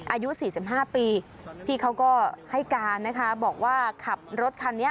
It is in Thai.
อายุ๔๕ปีพี่เขาก็ให้การนะคะบอกว่าขับรถคันนี้